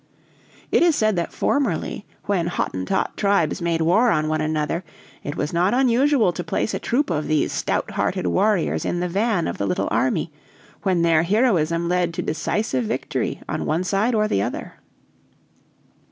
"It is said that formerly, when Hottentot tribes made war on one another, it was not unusual to place a troop of these stout hearted warriors in the van of the little army, when their heroism led to decisive victory on one side or the other.